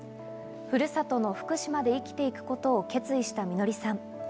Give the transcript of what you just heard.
ふるさとの福島で生きていくことを決意した季さん。